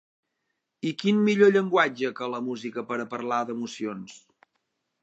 I quin millor llenguatge que la música per a parlar d'emocions.